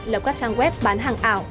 lập các trang web bán hàng ảo